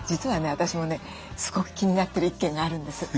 私もねすごく気になってる１軒があるんです。